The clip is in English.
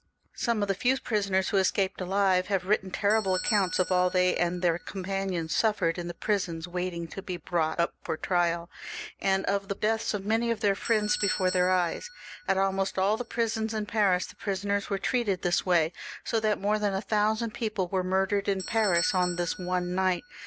Some of the few prisoners who escaped alive have written terrible accounts of all that they and their companions suffered in the prisons, waiting to be brought up for trial, and of the deaths of many of their Mends before their eyes. At almost all the prisons in Paris the prisoners were treated in this way, so that more than a thousand people were murdered in Paris on this one night.